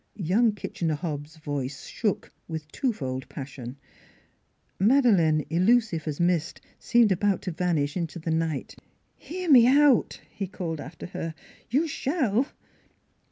Young Kitchener Hobbs' voice shook with two fold passion: Madeleine, illusive as mist, seemed about to vanish into the night. "Hear me out!" he called after her. ... "You shall!"